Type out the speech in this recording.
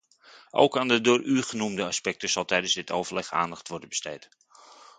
Ook aan de door u genoemde aspecten zal tijdens dit overleg aandacht worden besteed.